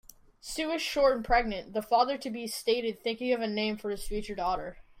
"Sue is short and pregnant", the father-to-be stated, thinking of a name for his future daughter.